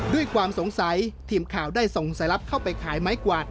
ด้วยความสงสัยทีมข่าวได้ส่งสายลับเข้าไปขายไม้กวาด